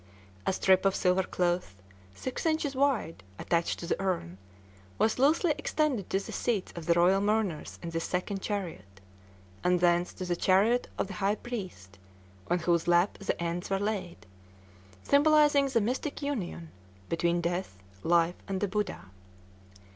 A strip of silver cloth, six inches wide, attached to the urn, was loosely extended to the seats of the royal mourners in this second chariot, and thence to the chariot of the high priest, on whose lap the ends were laid, symbolizing the mystic union between death, life, and the Buddha.